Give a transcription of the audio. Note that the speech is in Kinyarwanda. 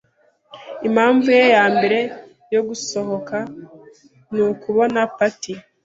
Impamvu ye yambere yo gusohoka ni ukubona Patty.